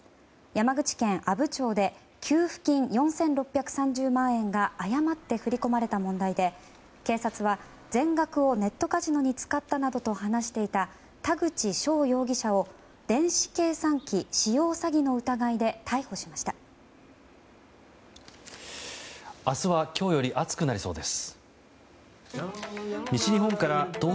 山口県阿武町で給付金４６３０万円が誤って振り込まれた問題で警察は全額をネットカジノなどに使ったと話していた田口翔容疑者を電子計算機使用詐欺の疑いで気象情報はテレビ朝日屋上から再び、眞家さんです。